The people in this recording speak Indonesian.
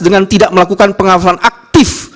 dengan tidak melakukan pengawasan aktif